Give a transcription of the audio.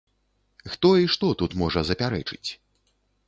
Хто і што тут можа запярэчыць?